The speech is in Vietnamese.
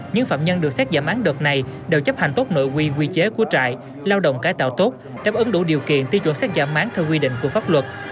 những phạm nhân được xét giảm án đợt này đều chấp hành tốt nội quy quy chế của trại lao động cải tạo tốt đáp ứng đủ điều kiện tiêu chuẩn xét giảm án theo quy định của pháp luật